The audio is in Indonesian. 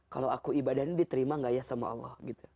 kalau aku ibadah ini diterima gak ya sama allah